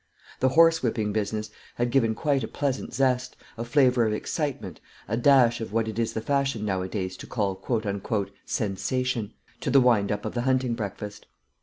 The horsewhipping business had given quite a pleasant zest, a flavour of excitement, a dash of what it is the fashion nowadays to call "sensation," to the wind up of the hunting breakfast.